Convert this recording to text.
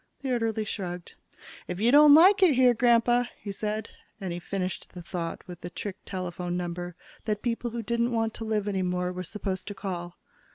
The orderly shrugged. "If you don't like it here, Grandpa " he said, and he finished the thought with the trick telephone number that people who didn't want to live any more were supposed to call.